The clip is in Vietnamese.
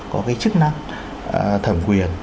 có cái chức năng thẩm quyền